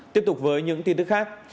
tiếp tục với những tin tức khác